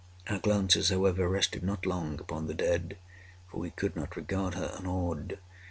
Our glances, however, rested not long upon the dead—for we could not regard her unawed.